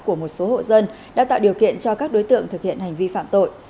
của một số hộ dân đã tạo điều kiện cho các đối tượng thực hiện hành vi phạm tội